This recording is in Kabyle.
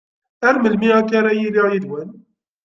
Ar melmi akka ara yiliɣ yid-wen!